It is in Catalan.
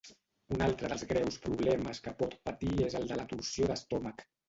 Un altre dels greus problemes que pot patir és el de la torsió d'estómac.